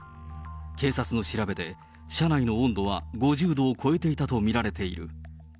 警察の調べで、車内の温度は５０度を超えていたと見られている。